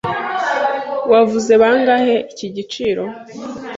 Wavuze bangahe iki giciro?